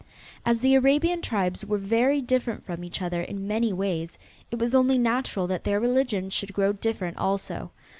As the Arabian tribes were very different from each other in many ways, it was only natural that their religion should grow different also.